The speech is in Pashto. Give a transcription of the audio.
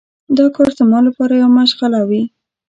دا کار زما لپاره یوه مشغله وي.